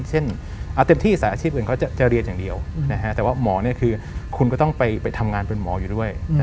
เต็มที่สายอาชีพอื่นเขาจะเรียนอย่างเดียวแต่ว่าหมอคือคุณก็ต้องไปทำงานเป็นหมออยู่ด้วย